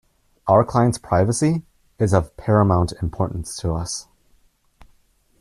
Our client's privacy is of paramount importance to us.